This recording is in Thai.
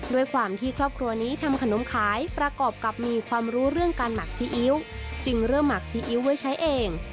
ด้วยความที่ครอบครัวนี้ทำขนมขายประกอบกับมีความรู้เรื่องการหมักซีอิ๊วจึงเริ่มหมักซีอิ๊วไว้ใช้เอง